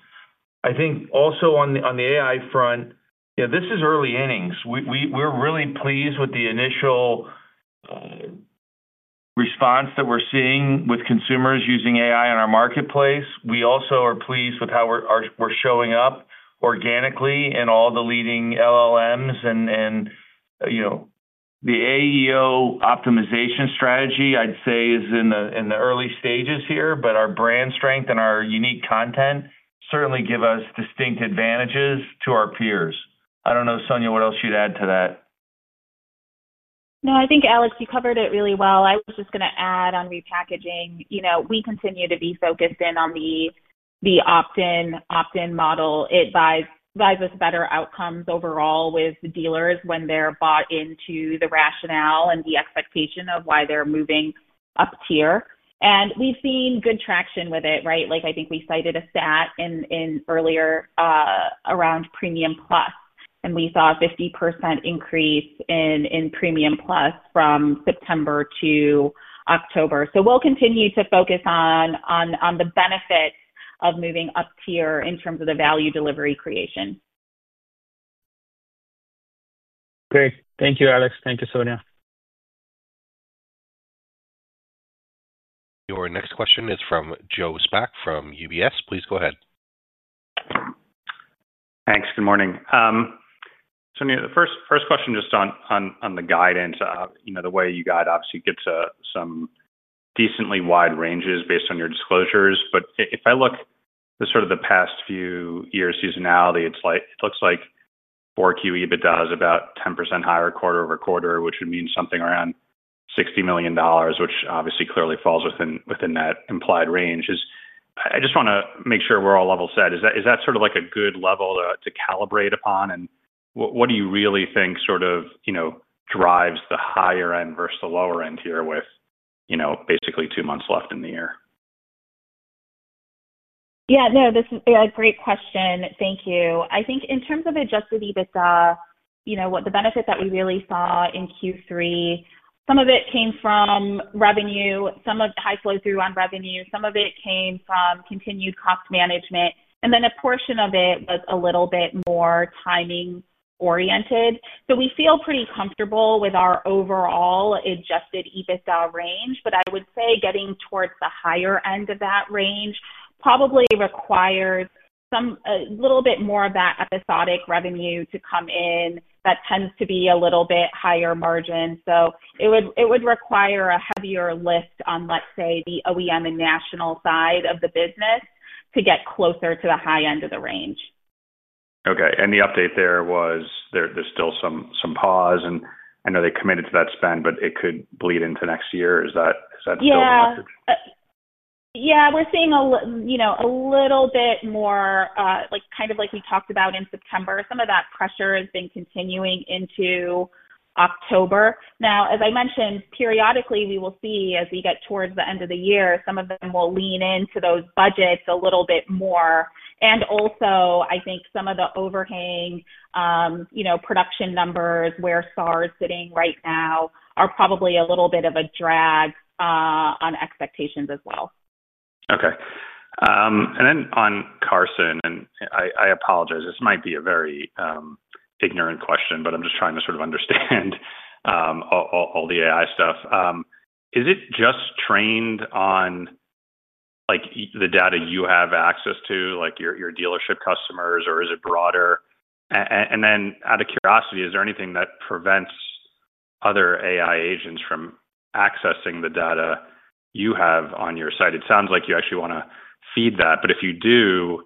I think also on the AI front, this is early innings. We are really pleased with the initial response that we are seeing with consumers using AI in our Marketplace. We also are pleased with how we are showing up organically in all the leading LLMs. The AEO optimization strategy, I would say, is in the early stages here, but our brand strength and our unique content certainly give us distinct advantages to our peers. I do not know, Sonia, what else you would add to that? No, I think, Alex, you covered it really well. I was just going to add on repackaging. We continue to be focused in on the opt-in model. It buys us better outcomes overall with dealers when they're bought into the rationale and the expectation of why they're moving up tier. And we've seen good traction with it, right? I think we cited a stat earlier. Around Premium Plus, and we saw a 50% increase in Premium Plus from September to October. So we'll continue to focus on the benefits of moving up tier in terms of the value delivery creation. Great. Thank you, Alex. Thank you, Sonia. Your next question is from Joe Spak from UBS. Please go ahead. Thanks. Good morning. Sonia, the first question just on the guidance, the way you guide obviously gets some decently wide ranges based on your disclosures. If I look at sort of the past few years' seasonality, it looks like 4Q EBITDA is about 10% higher quarter-over-quarter, which would mean something around $60 million, which obviously clearly falls within that implied range. I just want to make sure we're all level set. Is that sort of a good level to calibrate upon? What do you really think sort of drives the higher end versus the lower end here with basically two months left in the year? Yeah. No, this is a great question. Thank you. I think in terms of adjusted EBITDA, the benefit that we really saw in Q3, some of it came from revenue, some of the high flow-through on revenue, some of it came from continued cost management, and then a portion of it was a little bit more timing-oriented. We feel pretty comfortable with our overall adjusted EBITDA range, but I would say getting towards the higher end of that range probably requires a little bit more of that episodic revenue to come in that tends to be a little bit higher margin. It would require a heavier lift on, let's say, the OEM and national side of the business to get closer to the high end of the range. Okay. The update there was there's still some pause. I know they committed to that spend, but it could bleed into next year. Is that still a message? Yeah. Yeah. We're seeing a little bit more, kind of like we talked about in September. Some of that pressure has been continuing into October. Now, as I mentioned, periodically, we will see as we get towards the end of the year, some of them will lean into those budgets a little bit more. Also, I think some of the overhanging production numbers where SAR is sitting right now are probably a little bit of a drag on expectations as well. Okay. On Carson, and I apologize, this might be a very ignorant question, but I'm just trying to sort of understand all the AI stuff. Is it just trained on the data you have access to, like your dealership customers, or is it broader? Out of curiosity, is there anything that prevents other AI agents from accessing the data you have on your site? It sounds like you actually want to feed that. If you do,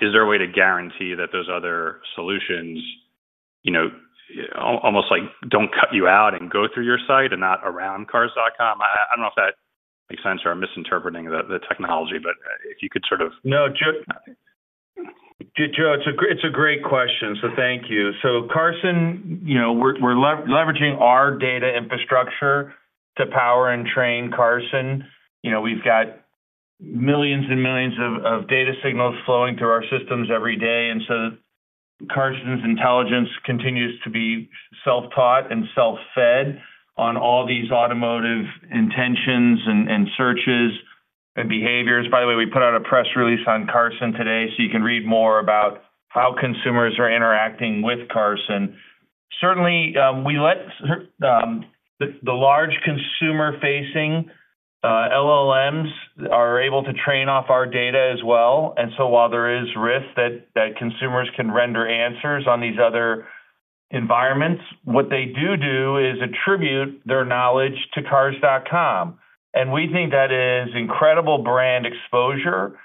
is there a way to guarantee that those other solutions. Almost do not cut you out and go through your site and not around Cars.com? I do not know if that makes sense or I am misinterpreting the technology, but if you could sort of— No. Joe, it is a great question, so thank you. Carson, we are leveraging our data infrastructure to power and train Carson. We have got millions and millions of data signals flowing through our systems every day. Carson's intelligence continues to be self-taught and self-fed on all these automotive intentions and searches and behaviors. By the way, we put out a press release on Carson today, so you can read more about how consumers are interacting with Carson. Certainly, we let the large consumer-facing LLMs are able to train off our data as well. While there is risk that consumers can render answers on these other. Environments, what they do is attribute their knowledge to Cars.com. We think that is incredible brand exposure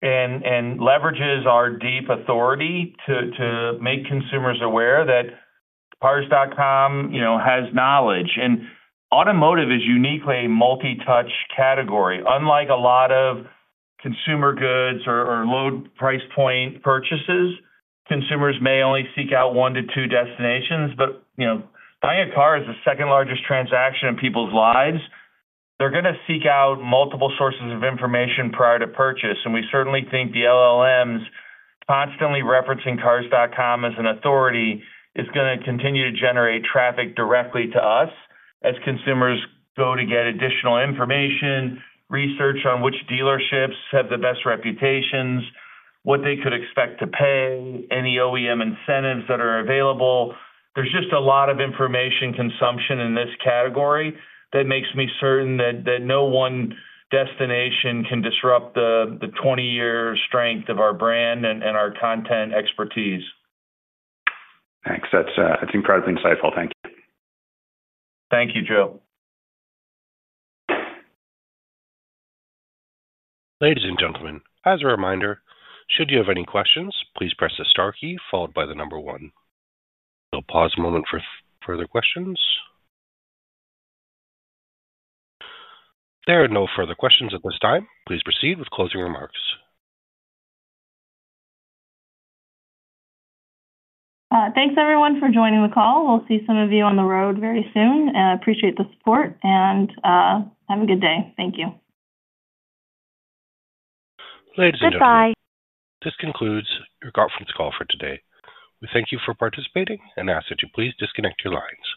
and leverages our deep authority to make consumers aware that Cars.com has knowledge. Automotive is uniquely a multi-touch category. Unlike a lot of consumer goods or low-price point purchases, consumers may only seek out one to two destinations. Buying a car is the second largest transaction in people's lives. They are going to seek out multiple sources of information prior to purchase. We certainly think the LLMs constantly referencing Cars.com as an authority is going to continue to generate traffic directly to us as consumers go to get additional information, research on which dealerships have the best reputations, what they could expect to pay, any OEM incentives that are available. There's just a lot of information consumption in this category that makes me certain that no one destination can disrupt the 20-year strength of our brand and our content expertise. Thanks. That's incredibly insightful. Thank you. Thank you, Joe. Ladies and gentlemen, as a reminder, should you have any questions, please press the star key followed by the number one. We'll pause a moment for further questions. There are no further questions at this time. Please proceed with closing remarks. Thanks, everyone, for joining the call. We'll see some of you on the road very soon. Appreciate the support and have a good day. Thank you. Ladies and gentlemen. Goodbye. This concludes your conference call for today. We thank you for participating and ask that you please disconnect your lines.